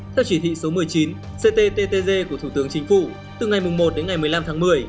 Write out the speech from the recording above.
theo chỉ thị số một mươi chín cttg của thủ tướng chính phủ từ ngày một đến ngày một mươi năm tháng một mươi